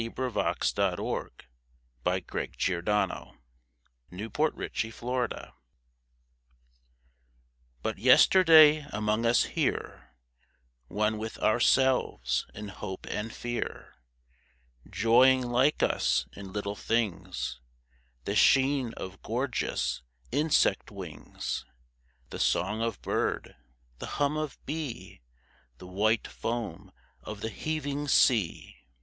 Till God's own voice shall bid them rise ! YESTERDAY AND TO DAY But yesterday among us here, One with ourselves in hope and fear : Joying like us in little things, The sheen of gorgeous insect wings, The song of bird, the hum of bee. The white foam of the heaving sea.